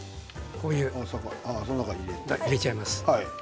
入れちゃいます。